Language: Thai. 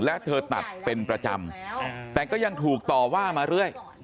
และเธอตัดเป็นประจำแต่ก็ยังถูกต่อว่ามาเรื่อย